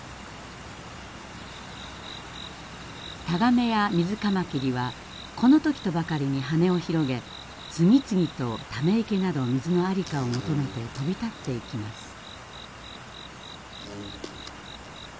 タガメやミズカマキリはこの時とばかりに羽を広げ次々とため池など水のありかを求めて飛び立っていきます。